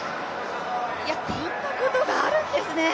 いや、こんなことがあるんですね。